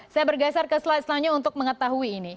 saya bergeser ke slide selanjutnya untuk mengetahui ini